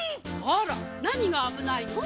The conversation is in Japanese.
あらなにがあぶないの？